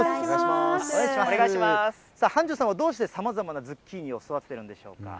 さあ、繁昌さんはどうしてさまざまなズッキーニを育ててるんでしょうか。